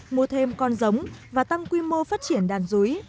mua thêm con giống và tăng quy mô phát triển đàn rúi